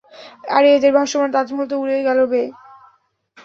আরে এদের ভাসমান তাজমহল তো উড়ে গেলো বে।